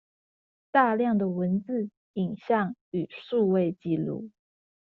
大量的文字、影像與數位紀錄